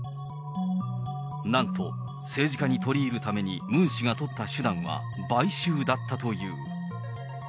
なんと、政治家に取り入るためにムン氏が取った手段は、買収だったという。